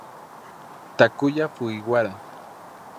Takuya Fujiwara